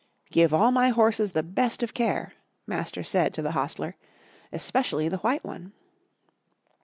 "Give all my horses the best of care," Master said to the hostler, "especially the white one."